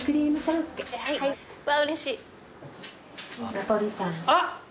ナポリタン。